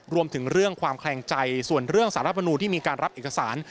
รวมถึงเรื่องความแคลงใจส่วนเรื่องสารมนูลที่มีการรับเอกสาร